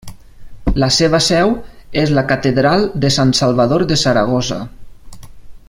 La seva seu és la Catedral de Sant Salvador de Saragossa.